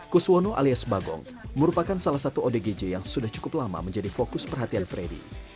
kuswono alias bagong merupakan salah satu odgj yang sudah cukup lama menjadi fokus perhatian freddy